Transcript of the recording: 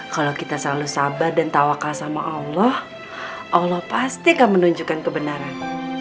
kalau kita selalu sabar dan tawakal sama allah allah pasti akan menunjukkan kebenaran